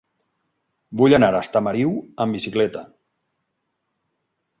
Vull anar a Estamariu amb bicicleta.